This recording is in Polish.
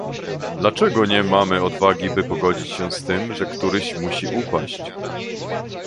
Dlaczego nie mamy odwagi, by pogodzić się z tym, że któryś musi upaść?